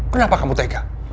kenapa kamu tega